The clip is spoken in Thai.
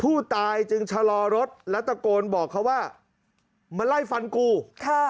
ผู้ตายจึงชะลอรถแล้วตะโกนบอกเขาว่ามาไล่ฟันกูค่ะ